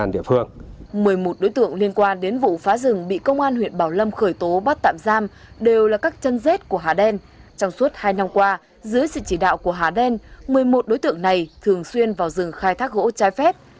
một mươi một đối tượng liên quan đến vụ phá rừng bị công an huyện bảo lâm khởi tố bắt tạm giam đều là các chân rết của hà đen trong suốt hai năm qua dưới sự chỉ đạo của hà đen một mươi một đối tượng này thường xuyên vào rừng khai thác gỗ trái phép